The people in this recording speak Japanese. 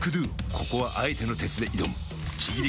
ここはあえての鉄で挑むちぎり